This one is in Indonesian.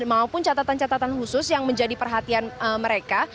maupun catatan catatan khusus yang menjadi perhatian mereka